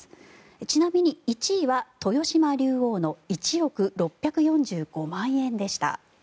ちなみに１位は豊島竜王の１億６４５万円でした。